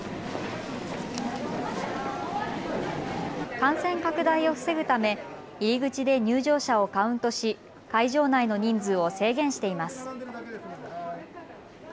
感染拡大を防ぐため入り口で入場者をカウントし会場内の人数を制限しています。